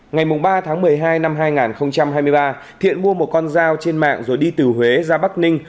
ngày ba tháng một mươi hai năm hai nghìn hai mươi ba thiện mua một con dao trên mạng rồi đi từ huế ra bắc ninh